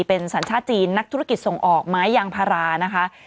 เป็นสัญชาติจีนนักธุรกิจส่งออกไม้ยางพารานะคะ